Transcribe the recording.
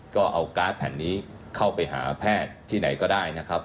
ก็เอาการ์ดแผ่นนี้เข้าไปหาแพทย์ที่ไหนก็ได้นะครับ